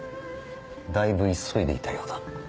だいぶ急いでいたようだ。